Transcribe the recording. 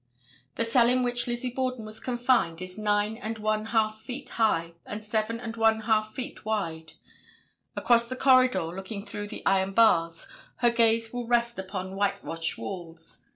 The cell in which Lizzie Borden was confined is nine and one half feet high and seven and one half feet wide. Across the corridor, looking through the iron bars, her gaze will rest upon whitewashed walls.